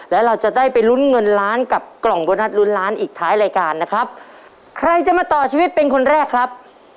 แล้วเราจะได้ไปลุ้นเงินล้านกับกล่องโบนัสลุ้นล้านอีกท้ายรายการนะครับใครจะมาต่อชีวิตเป็นคนแรกครับ